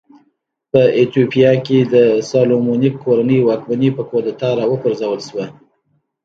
په ایتوپیا کې د سالومونیک کورنۍ واکمني په کودتا راوپرځول شوه.